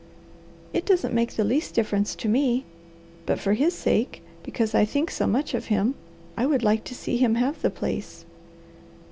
"It doesn't make the least difference to me; but for his sake, because I think so much of him, I would like to see him have the place."